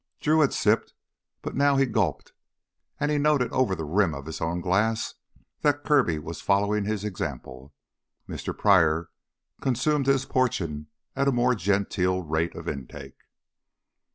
Drew had sipped, but now he gulped, and he noted over the rim of his own glass, that Kirby was following his example. Mr. Pryor consumed his portion at a more genteel rate of intake.